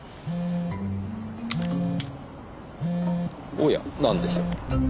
おやなんでしょう。